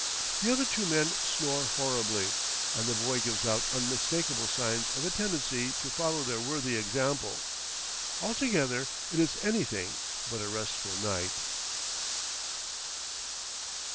The other two men snore horribly, and the boy gives out unmistakable signs of a tendency to follow their worthy example; altogether, it is anything but a restful night.